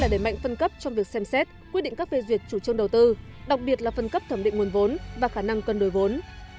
để mạnh phân cấp trong việc xem xét quyết định các phê duyệt chủ trương đầu tư đặc biệt là phân cấp thẩm định nguồn vốn và khả năng cân đổi vốn